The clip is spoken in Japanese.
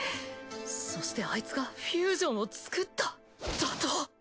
そしてあいつがフュージョンを作っただと？